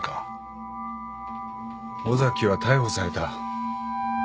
尾崎は逮捕された。